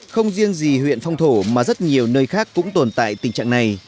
không riêng gì huyện phong thổ mà rất nhiều nơi khác cũng tồn tại tình trạng này